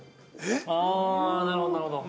◆あ、なるほどなるほど。